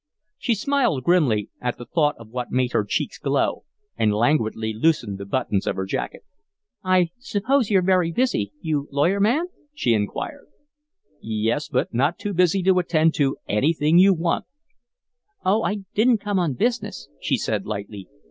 She smiled grimly at the thought of what made her cheeks glow, and languidly loosened the buttons of her jacket. "I suppose you're very busy, you lawyer man?" she inquired. "Yes but not too busy to attend to anything you want." "Oh, I didn't come on business," she said, lightly.